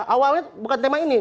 awalnya bukan tema ini